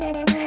kau mau kemana